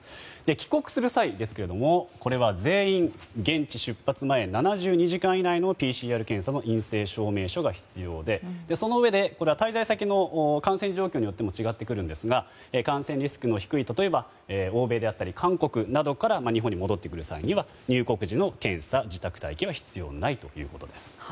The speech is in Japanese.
帰国する際ですけれども全員、現地出発前７２時間以内のＰＣＲ検査の陰性証明書が必要でそのうえで、これは滞在先の感染状況によっても違ってくるんですが感染リスクの低い例えば欧米であったり韓国などから日本に戻ってくる際には入国時の検査や自宅待機は必要ないということです。